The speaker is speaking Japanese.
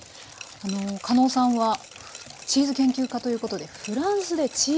かのうさんはチーズ研究家ということでフランスでチーズ修業。